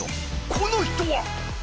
この人は！